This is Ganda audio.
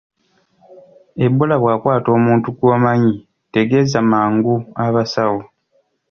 Ebola bw’akwata omuntu gw’omanyi tegeeza mangu abasawo.